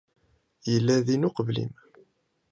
Yella din uqbel-im.